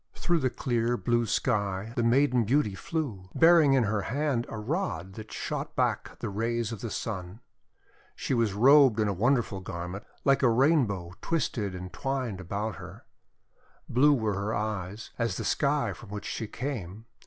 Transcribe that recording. Through the clear, blue sky the Maiden Beauty flew, bearing in her hand a rod that shot back the rays of the Sun. She was robed in a wonderful garment, like a Rainbow twisted and THE MAPLE LEAF FOR EVER! 331 twined about her. Blue were her eyes, as the sky from which she came.